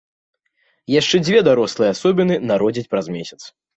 Яшчэ дзве дарослыя асобіны народзяць праз месяц.